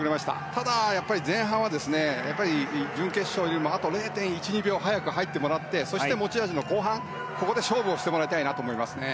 ただ、前半は準決勝よりあと０．１０．２秒速く入ってもらってそして持ち味の後半で勝負をしてもらいたいですね。